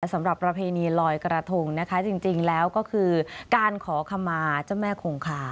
สำหรับประเพณีลอยกระทงนะคะจริงแล้วก็คือการขอขมาเจ้าแม่คงคา